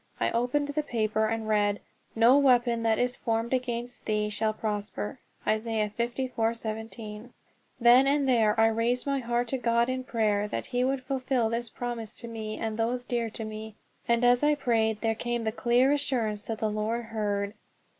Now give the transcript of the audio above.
I opened the paper and read, "No weapon that is formed against thee shall prosper" (Isa. 54:17). Then and there I raised my heart to God in prayer that he would fulfil this promise to me and those dear to me; and as I prayed there came the clear assurance that the Lord heard.